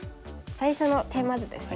最初のテーマ図ですね。